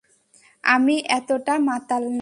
আমি এতটা মাতাল না।